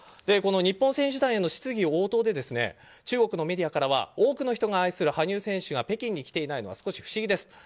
この日本選手団への質疑応答で中国のメディアからは多くの人が愛する羽生選手が北京に来ていないのは少し不思議です。